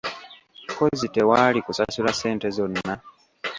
Kozzi tewaali kusasula ssente zonna?